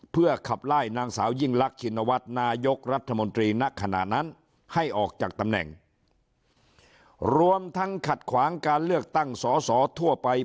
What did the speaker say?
เพื่อขับไล่นางสาวยิ่งรักชินวัฒน์นายกรัฐมนตรีณขณะนั้นให้ออกจากตำแหน่งรวมทั้งขัดขวางการเลือกตั้งสอสอทั่วไป